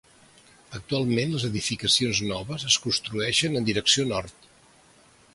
Actualment les edificacions noves es construeixen en direcció nord.